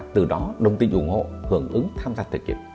từ đó đồng tình ủng hộ hướng ứng tham gia thực hiện